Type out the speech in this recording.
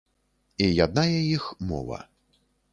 І яднае іх мова.